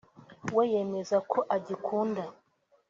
we yemeza ko agikunda